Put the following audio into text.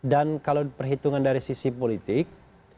dan kalau diperhitungkan dari sisi politik